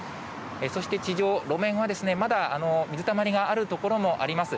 そして地上、路面はまだ水たまりがあるところもあります。